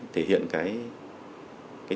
thể hiện cái